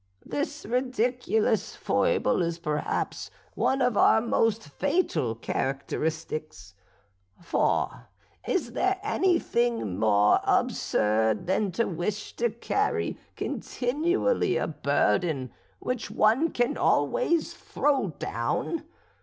This ridiculous foible is perhaps one of our most fatal characteristics; for is there anything more absurd than to wish to carry continually a burden which one can always throw down?